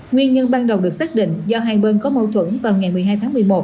nguyên nhân ban đầu được xác định do hai bên có mâu thuẫn vào ngày một mươi hai tháng một mươi một